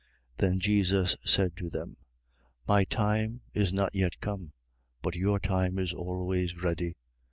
7:6. Then Jesus said to them: My time is not yet come; but your time is always ready.